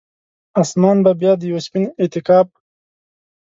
اسمان به بیا د یوه سپین اعتکاف،